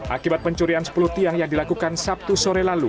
akibat pencurian sepuluh tiang yang dilakukan sabtu sore lalu